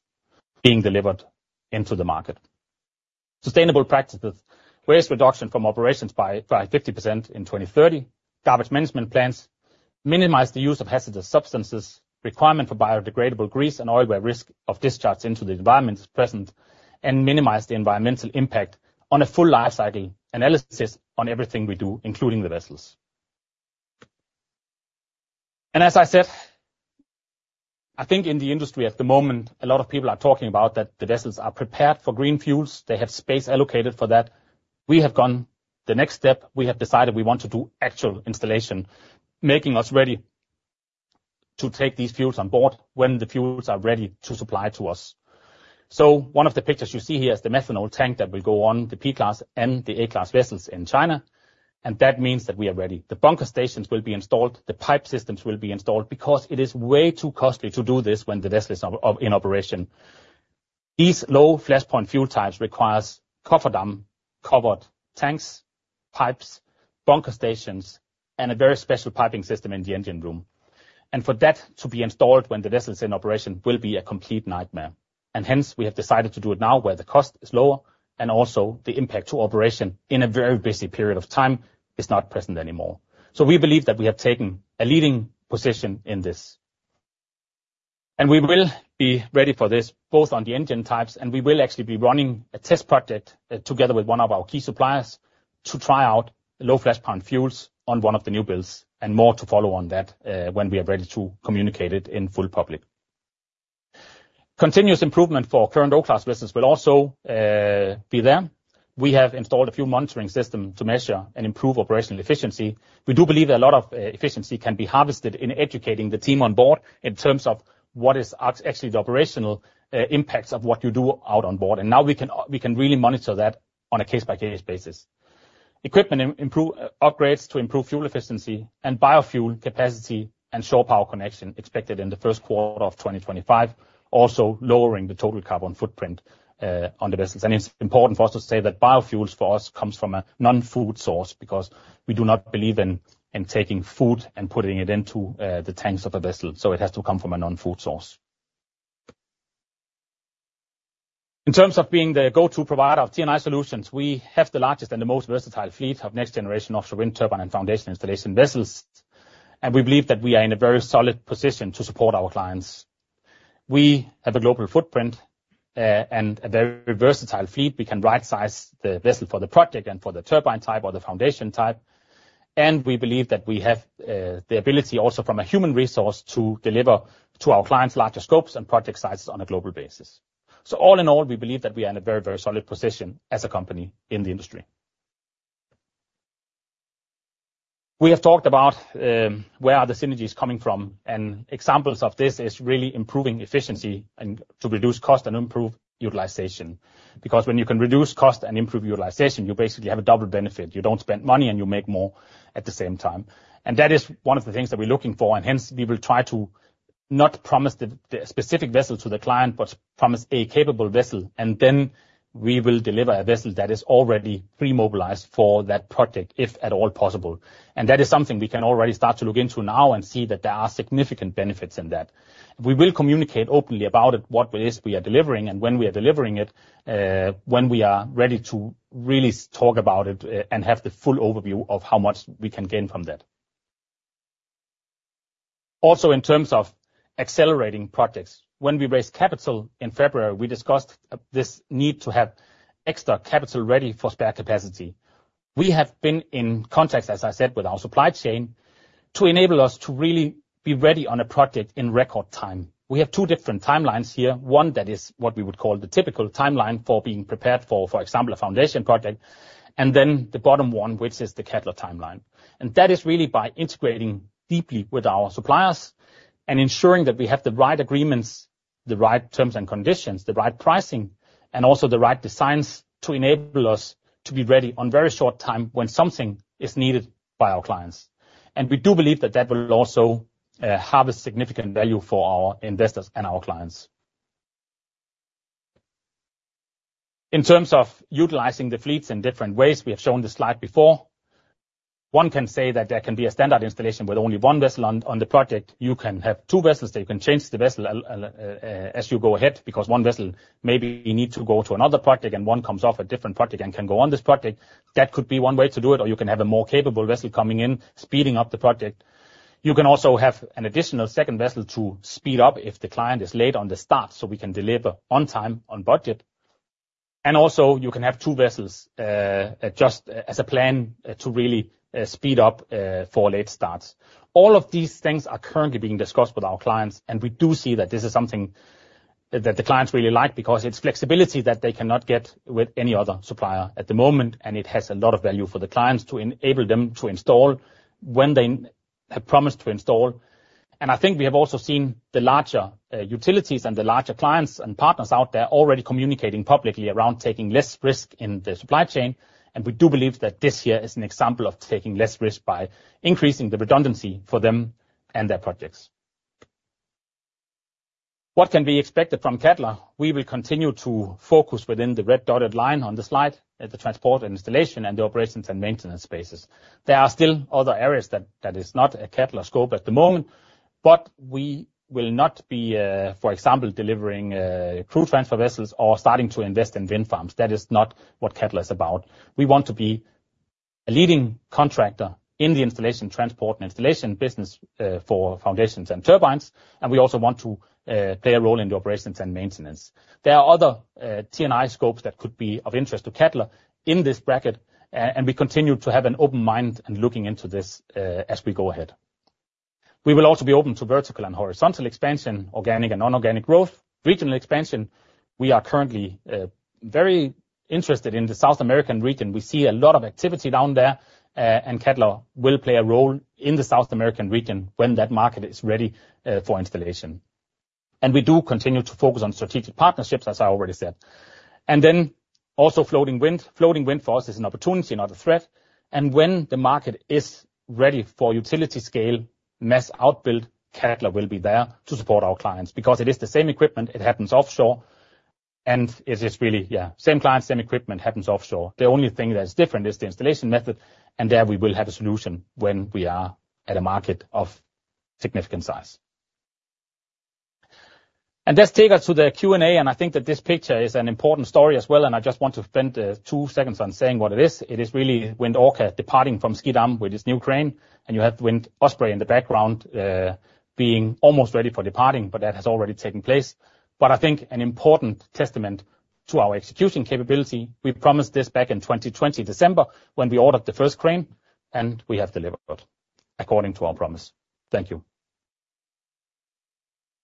being delivered into the market. Sustainable practices, whereas reduction from operations by 50% in 2030, garbage management plans, minimize the use of hazardous substances, requirement for biodegradable grease and oil where risk of discharge into the environment is present, and minimize the environmental impact on a full life cycle analysis on everything we do, including the vessels. As I said, I think in the industry at the moment, a lot of people are talking about that the vessels are prepared for green fuels. They have space allocated for that. We have gone the next step. We have decided we want to do actual installation, making us ready to take these fuels on board when the fuels are ready to supply to us. One of the pictures you see here is the methanol tank that will go on the P-class and the A-class vessels in China, and that means that we are ready. The bunker stations will be installed. The pipe systems will be installed because it is way too costly to do this when the vessel is in operation. These low flashpoint fuel types require cofferdam, covered tanks, pipes, bunker stations, and a very special piping system in the engine room. For that to be installed when the vessel is in operation will be a complete nightmare. Hence, we have decided to do it now where the cost is lower and also the impact to operation in a very busy period of time is not present anymore. We believe that we have taken a leading position in this. We will be ready for this both on the engine types, and we will actually be running a test project together with one of our key suppliers to try out low flashpoint fuels on one of the new builds and more to follow on that when we are ready to communicate it in full public. Continuous improvement for current O-Class vessels will also be there. We have installed a few monitoring systems to measure and improve operational efficiency. We do believe that a lot of efficiency can be harvested in educating the team on board in terms of what is actually the operational impacts of what you do out on board. Now, we can really monitor that on a case-by-case basis. Equipment upgrades to improve fuel efficiency and biofuel capacity and shore power connection expected in the first quarter of 2025, also lowering the total carbon footprint on the vessels. It's important for us to say that biofuels for us come from a non-food source because we do not believe in taking food and putting it into the tanks of a vessel, so it has to come from a non-food source. In terms of being the go-to provider of T&I solutions, we have the largest and the most versatile fleet of next-generation offshore wind turbine and foundation installation vessels, and we believe that we are in a very solid position to support our clients. We have a global footprint and a very versatile fleet. We can right-size the vessel for the project and for the turbine type or the foundation type, and we believe that we have the ability also from a human resource to deliver to our clients larger scopes and project sizes on a global basis. All in all, we believe that we are in a very, very solid position as a company in the industry. We have talked about where are the synergies coming from, and examples of this are really improving efficiency to reduce cost and improve utilization because when you can reduce cost and improve utilization, you basically have a double benefit. You don't spend money, and you make more at the same time. That is one of the things that we're looking for, and hence, we will try to not promise the specific vessel to the client but promise a capable vessel, and then we will deliver a vessel that is already pre-mobilized for that project if at all possible. That is something we can already start to look into now and see that there are significant benefits in that. We will communicate openly about it, what it is we are delivering, and when we are delivering it, when we are ready to really talk about it and have the full overview of how much we can gain from that. Also, in terms of accelerating projects, when we raised capital in February, we discussed this need to have extra capital ready for spare capacity. We have been in contact, as I said, with our supply chain to enable us to really be ready on a project in record time. We have two different timelines here. One that is what we would call the typical timeline for being prepared for, for example, a foundation project, and then the bottom one, which is the Cadeler timeline. That is really by integrating deeply with our suppliers and ensuring that we have the right agreements, the right terms and conditions, the right pricing, and also the right designs to enable us to be ready on very short time when something is needed by our clients. We do believe that that will also harvest significant value for our investors and our clients. In terms of utilizing the fleets in different ways, we have shown the slide before. One can say that there can be a standard installation with only one vessel on the project. You can have two vessels. You can change the vessel as you go ahead because one vessel maybe needs to go to another project, and one comes off a different project and can go on this project. That could be one way to do it, or you can have a more capable vessel coming in, speeding up the project. You can also have an additional second vessel to speed up if the client is late on the start so we can deliver on time, on budget. Also, you can have two vessels just as a plan to really speed up for late starts. All of these things are currently being discussed with our clients, and we do see that this is something that the clients really like because it's flexibility that they cannot get with any other supplier at the moment, and it has a lot of value for the clients to enable them to install when they have promised to install. I think we have also seen the larger utilities and the larger clients and partners out there already communicating publicly around taking less risk in the supply chain, and we do believe that this year is an example of taking less risk by increasing the redundancy for them and their projects. What can be expected from Cadeler? We will continue to focus within the red dotted line on the slide at the transport and installation and the operations and maintenance spaces. There are still other areas that are not a Cadeler scope at the moment, but we will not be, for example, delivering crew transfer vessels or starting to invest in wind farms. That is not what Cadeler is about. We want to be a leading contractor in the installation, transport, and installation business for foundations and turbines, and we also want to play a role in the operations and maintenance. There are other T&I scopes that could be of interest to Cadeler in this bracket, and we continue to have an open mind and looking into this as we go ahead. We will also be open to vertical and horizontal expansion, organic and non-organic growth, regional expansion. We are currently very interested in the South American region. We see a lot of activity down there, and Cadeler will play a role in the South American region when that market is ready for installation. We do continue to focus on strategic partnerships, as I already said. Then, also floating wind. Floating wind for us is an opportunity, not a threat. When the market is ready for utility scale, mass outbuild, Cadeler will be there to support our clients because it is the same equipment. It happens offshore, and it is really same client, same equipment happens offshore. The only thing that is different is the installation method, and there we will have a solution when we are at a market of significant size. That's taken us to the Q&A, and I think that this picture is an important story as well, and I just want to spend two seconds on saying what it is. It is really Wind Orca departing from Schiedam with its new crane, and you have Wind Osprey in the background being almost ready for departing, but that has already taken place. I think an important testament to our execution capability. We promised this back in December 2020 when we ordered the first crane, and we have delivered according to our promise. Thank you.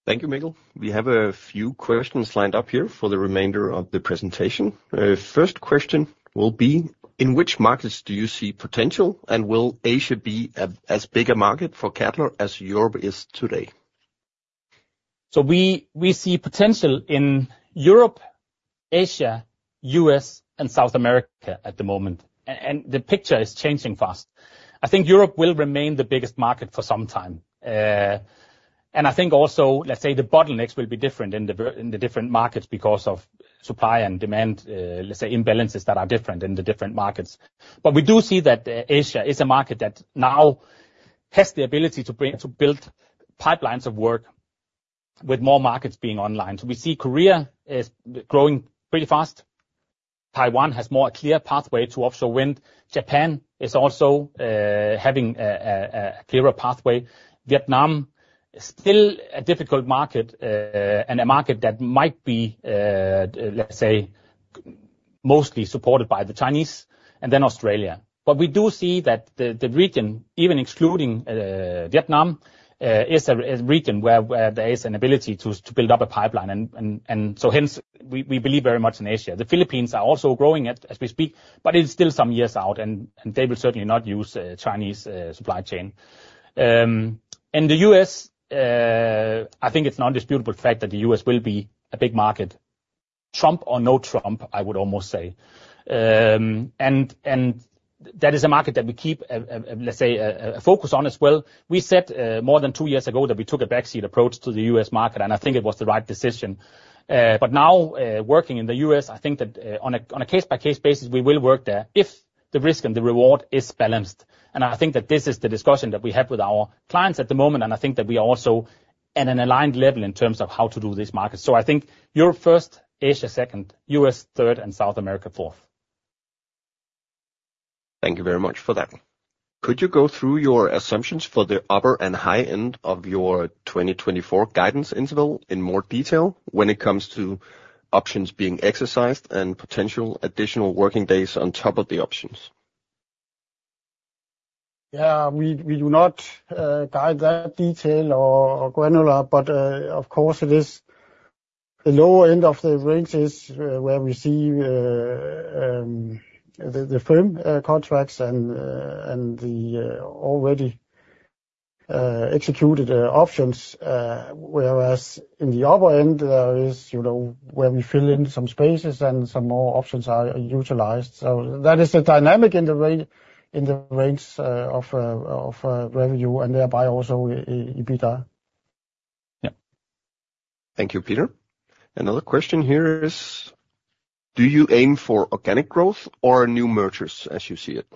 Thank you, Mikkel. We have a few questions lined up here for the remainder of the presentation. First question will be, in which markets do you see potential, and will Asia be as big a market for Cadeler as Europe is today? We see potential in Europe, Asia, U.S., and South America at the moment, and the picture is changing fast. I think Europe will remain the biggest market for some time, and I think also, let's say, the bottlenecks will be different in the different markets because of supply and demand, let's say, imbalances that are different in the different markets. We do see that Asia is a market that now has the ability to build pipelines of work with more markets being online. We see Korea growing pretty fast. Taiwan has more a clear pathway to offshore wind. Japan is also having a clearer pathway. Vietnam is still a difficult market and a market that might be, let's say, mostly supported by the Chinese and then Australia. We do see that the region, even excluding Vietnam, is a region where there is an ability to build up a pipeline, and hence, we believe very much in Asia. The Philippines are also growing as we speak, but it's still some years out, and they will certainly not use the Chinese supply chain. In the US, I think it's an undisputable fact that the US will be a big market, Trump or no Trump, I would almost say. That is a market that we keep, let's say, a focus on as well. We said more than two years ago that we took a backseat approach to the US market, and I think it was the right decision. Now, working in the US, I think that on a case-by-case basis, we will work there if the risk and the reward is balanced. I think that this is the discussion that we have with our clients at the moment, and I think that we are also at an aligned level in terms of how to do these markets. I think Europe first, Asia second, U.S. third, and South America fourth. Thank you very much for that. Could you go through your assumptions for the upper and high end of your 2024 guidance interval in more detail when it comes to options being exercised and potential additional working days on top of the options? We do not guide that detailed or granular, but of course, it is the lower end of the ranges where we see the firm contracts and the already executed options, whereas in the upper end, there is where we fill in some spaces and some more options are utilized. That is the dynamic in the range of revenue and thereby also EBITDA. Thank you, Peter. Another question here is, do you aim for organic growth or new mergers as you see it?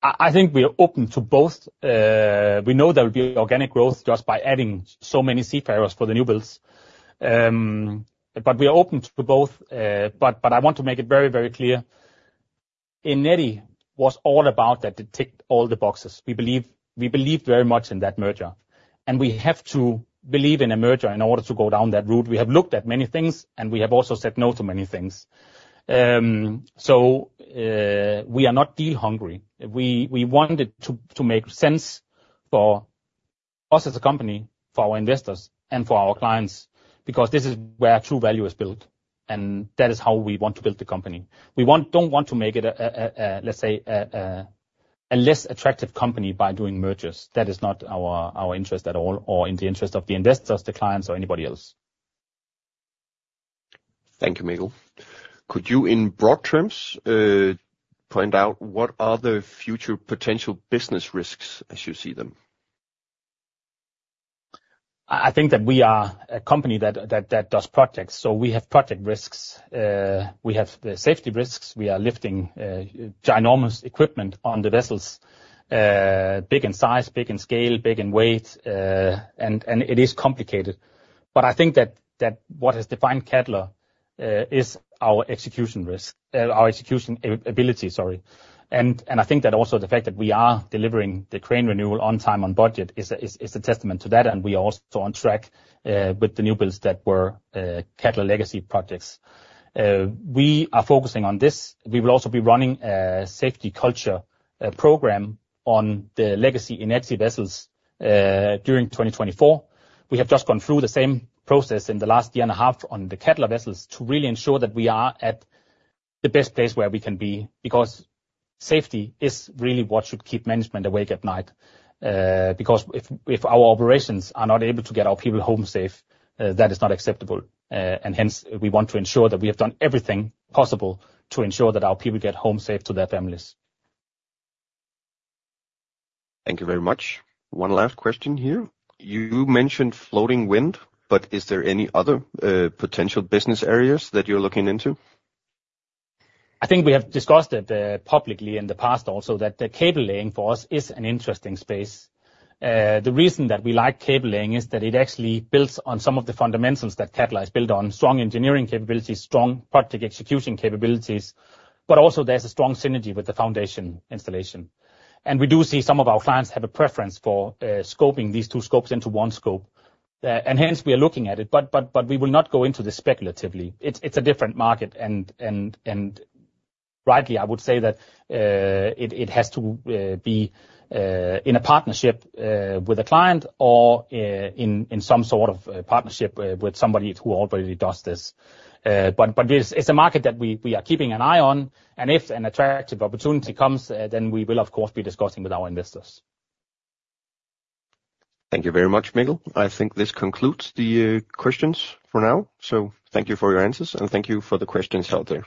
I think we are open to both. We know there will be organic growth just by adding so many seafarers for the new builds, but we are open to both. I want to make it very, very clear. Eneti was all about that it ticked all the boxes. We believed very much in that merger, and we have to believe in a merger in order to go down that route. We have looked at many things, and we have also said no to many things. We are not deal-hungry. We want it to make sense for us as a company, for our investors, and for our clients because this is where true value is built, and that is how we want to build the company. We don't want to make it, let's say, a less attractive company by doing mergers. That is not our interest at all or in the interest of the investors, the clients, or anybody else. Thank you, Miguel. Could you, in broad terms, point out what are the future potential business risks as you see them? I think that we are a company that does projects, so we have project risks. We have the safety risks. We are lifting ginormous equipment on the vessels, big in size, big in scale, big in weight, and it is complicated. I think that what has defined Cadeler is our execution ability, sorry. I think that also the fact that we are delivering the crane renewal on time, on budget, is a testament to that, and we are also on track with the new builds that were Cadeler legacy projects. We are focusing on this. We will also be running a safety culture program on the legacy Eneti vessels during 2024. We have just gone through the same process in the last year and a half on the Cadeler vessels to really ensure that we are at the best place where we can be because safety is really what should keep management awake at night. If our operations are not able to get our people home safe, that is not acceptable, and hence, we want to ensure that we have done everything possible to ensure that our people get home safe to their families. Thank you very much. One last question here. You mentioned floating wind, but is there any other potential business areas that you're looking into? I think we have discussed it publicly in the past also that the cable laying for us is an interesting space. The reason that we like cable laying is that it actually builds on some of the fundamentals that Cadeler is built on, strong engineering capabilities, strong project execution capabilities, but also there's a strong synergy with the foundation installation. We do see some of our clients have a preference for scoping these two scopes into one scope, and hence, we are looking at it, but we will not go into this speculatively. It's a different market, and rightly, I would say that it has to be in a partnership with a client or in some sort of partnership with somebody who already does this. It's a market that we are keeping an eye on, and if an attractive opportunity comes, then we will, of course, be discussing with our investors. Thank you very much, Miguel. I think this concludes the questions for now. Thank you for your answers, and thank you for the questions held there.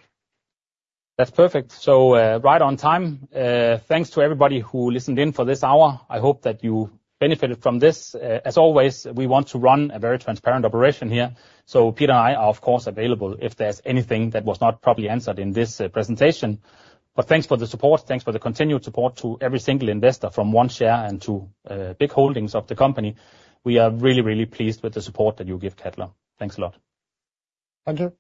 That's perfect. Right on time. Thanks to everybody who listened in for this hour. I hope that you benefited from this. As always, we want to run a very transparent operation here, so Peter and I are, of course, available if there's anything that was not properly answered in this presentation. Thanks for the support. Thanks for the continued support to every single investor from one share and to big holdings of the company. We are really, really pleased with the support that you give Cadeler. Thanks a lot. Thank you.